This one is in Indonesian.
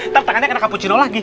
ntar tangannya kena cappuccino lagi